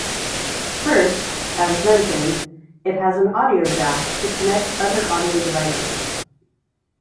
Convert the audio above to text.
First, as mentioned, it has an audio jack to connect other audio devices.